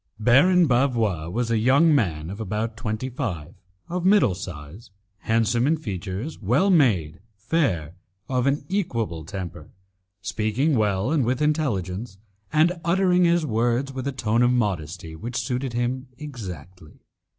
Baron Bavois was a young man of about twenty five, of middle size, handsome in features, well made, fair, of an equable temper, speaking well and with intelligence, and uttering his words with a tone of modesty which suited him exactly.